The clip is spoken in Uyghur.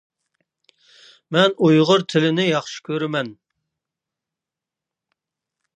مەن ئۇيغۇر تىلىنى ياخشى كۆرىمەن